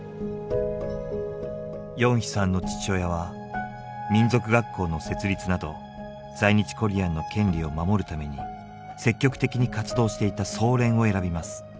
ヨンヒさんの父親は民族学校の設立など在日コリアンの権利を守るために積極的に活動していた総連を選びます。